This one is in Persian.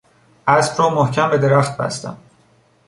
اسب را محکم به درخت بستم.